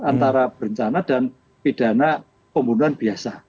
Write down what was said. antara berencana dan pidana pembunuhan biasa